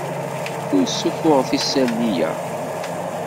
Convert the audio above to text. Ur ssuffuɣet isali-a.